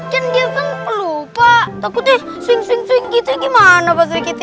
kan dia kan pelupa takutnya swing swing gitu gimana pak sirkiti